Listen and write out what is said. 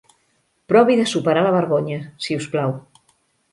Provi de superar la vergonya, si us plau.